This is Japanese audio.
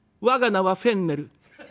「我が名はフェンネル。